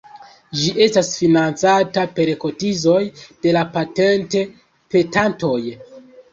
Ĝi estas financata per kotizoj de la patent-petantoj.